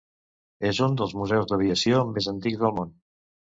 És un dels museus d'aviació més antics del món.